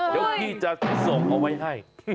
เดี๋ยวพี่จะส่งเอาไว้ให้